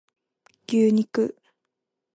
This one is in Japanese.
牛肉